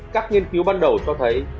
các nghiên cứu ban đầu cho thấy